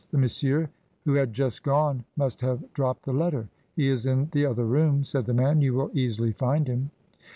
"The monsieur who had. just gone must have, dropped the letter. He is in the other room," said the man, "you will easily find him."